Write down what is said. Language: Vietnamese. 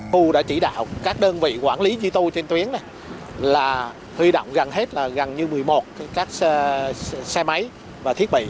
khu đã chỉ đạo các đơn vị quản lý di tu trên tuyến là huy động gần hết là gần như một mươi một các xe máy và thiết bị